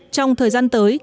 trong thời gian tới